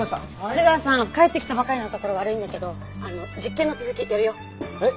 津川さん帰ってきたばかりのところ悪いんだけど実験の続きやるよ。えっ？